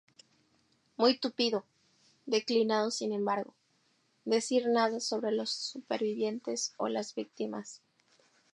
Muy tupido", declinando sin embargo, decir nada sobre los supervivientes o las víctimas.